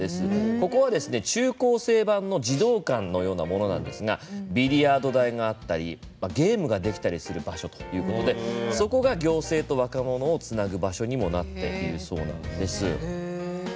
ここはですね、中高生版の児童館のようなものなんですがビリヤード台があったりゲームができたりする場所ということで、そこが行政と若者をつなぐ場所にもなっているそうなんです。